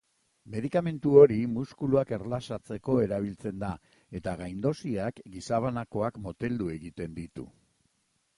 Medikamentu hori muskuluak erlaxatzeko erabiltzen da, eta gaindosiak gizabanakoak moteldu egiten ditu.